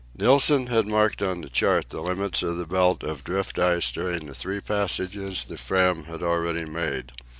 Nilsen had marked on the chart the limits of the belt of drift ice during the three passages the Fram had already made.